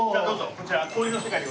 こちら。